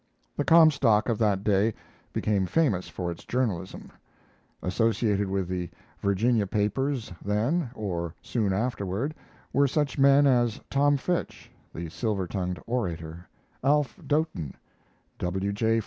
[The Comstock of that day became famous for its journalism. Associated with the Virginia papers then or soon afterward were such men as Tom Fitch (the silver tongued orator), Alf Doten, W. J.